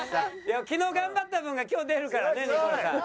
昨日頑張った分が今日出るからねニコルさん。